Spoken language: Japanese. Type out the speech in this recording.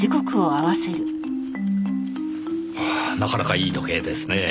なかなかいい時計ですねえ。